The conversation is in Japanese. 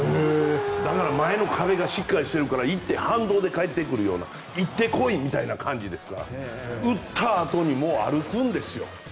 だから前の壁がしっかりしてるから反動で返ってくるような行って来いみたいな感じで打ったあとに歩くんですよ。